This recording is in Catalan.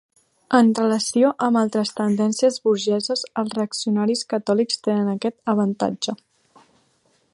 En relació amb altres tendències burgeses els reaccionaris catòlics tenen aquest avantatge.